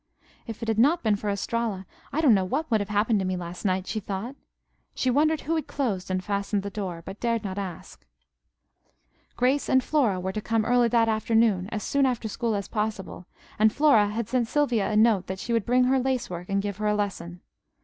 "If it had not been for Estralla I don't know what would have happened to me last night," she thought. She wondered who had closed and fastened the front door, but dared not ask. Grace and Flora were to come early that afternoon, as soon after school as possible, and Flora had sent Sylvia a note that she would bring her lace work and give her a lesson.